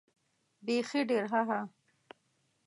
بېخي ډېر هههه.